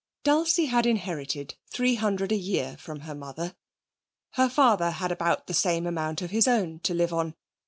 Dulcie had inherited three hundred a year from her mother. Her father had about the same amount of his own to live on.